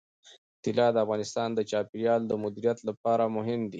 طلا د افغانستان د چاپیریال د مدیریت لپاره مهم دي.